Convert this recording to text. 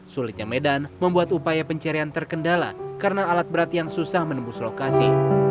sulitnya medan membuat upaya pencarian terkendala karena alat berat yang susah menembus lokasi